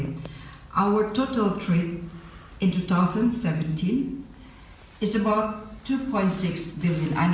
pertama perubahan total kita pada tahun dua ribu tujuh belas adalah sekitar dua enam juta